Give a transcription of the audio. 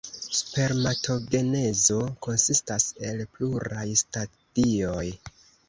Spermatogenezo konsistas el pluraj stadioj.